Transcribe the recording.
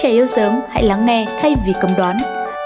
trẻ yêu sớm hãy lắng nghe thay vì cầm đoán